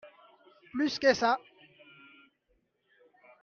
Plus que ça.